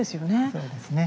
そうですね。